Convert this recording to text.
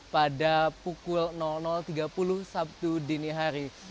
pada pukul tiga puluh sabtu dini hari